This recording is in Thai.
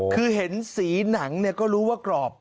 คือเห็นสีหนังก็รู้ว่ากรอบ